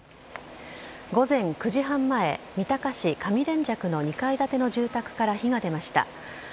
午前９時半前、三鷹市上連雀の２階建ての住宅から火が出ました。